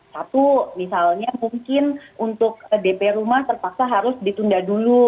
satu misalnya mungkin untuk dp rumah terpaksa harus ditunda dulu